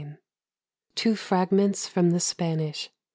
39 TWO FRAGMENTS FROM THE SPANISH.